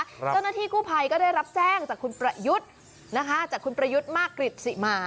เจ้าหน้าที่กู้ภัยก็ได้รับแจ้งจากคุณประยุทธ์นะคะจากคุณประยุทธ์มากกริจสิมา